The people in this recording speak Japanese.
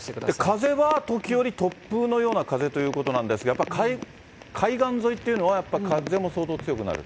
風は時折突風のような風ということなんですが、やっぱり海岸沿いというのは、風も相当強くなる？